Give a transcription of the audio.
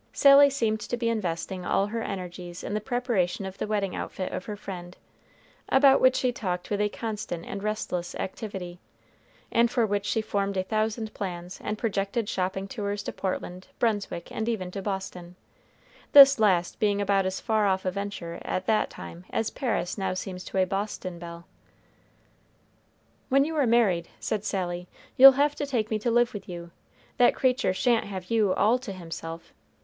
Sally seemed to be investing all her energies in the preparation of the wedding outfit of her friend, about which she talked with a constant and restless activity, and for which she formed a thousand plans, and projected shopping tours to Portland, Brunswick, and even to Boston, this last being about as far off a venture at that time as Paris now seems to a Boston belle. "When you are married," said Sally, "you'll have to take me to live with you; that creature sha'n't have you all to himself.